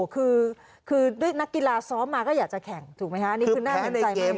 คือคือด้วยนักกีฬาสอบมาก็อยากจะแข่งถูกไหมคะนี่คือแพ้ในเกมอะ